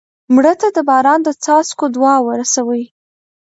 مړه ته د باران د څاڅکو دعا ورسوې